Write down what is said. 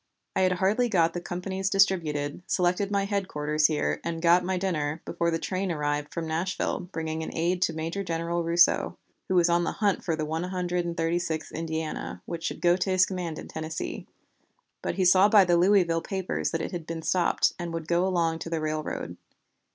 I had hardly got the companies distributed, selected my headquarters here, and got my dinner, before the train arrived from Nashville bringing an aide to Major General Rousseau, who was on the hunt for the One Hundred and Thirty sixth Indiana, which should go to his command in Tennessee, but he saw by the Louisville papers that it had been stopped, and would go along the railroad.